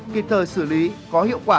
kịp thời xử lý có hiệu quả